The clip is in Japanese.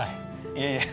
いえいえ